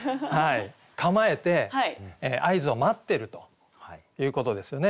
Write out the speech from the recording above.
構えて合図を待ってるということですよね。